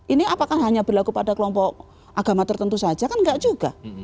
ini apakah hanya berlaku pada kelompok agama tertentu saja kan enggak juga